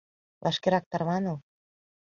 Вашкерак тарваныл!